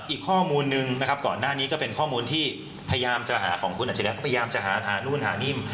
อีกข้อมูลนึงนะครับก่อนหน้านี้ก็เป็นข้อมูลที่พยายามจะหาของคุณอัจฉริยะก็พยายามจะหานู่นหานิ่ม